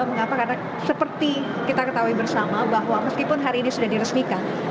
mengapa karena seperti kita ketahui bersama bahwa meskipun hari ini sudah diresmikan